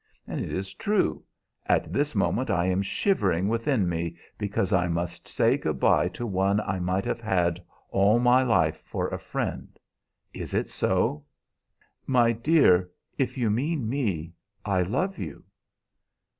It is true. At this moment I am shivering within me because I must say good by to one I might have had all my life for a friend. Is it so?" "My dear, if you mean me, I love you!"